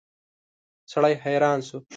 سړی حیران شو.